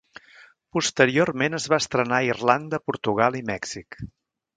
Posteriorment es va estrenar a Irlanda, Portugal i Mèxic.